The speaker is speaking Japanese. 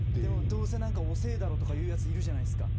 どうせ遅いだろとか言うやついるじゃないですか。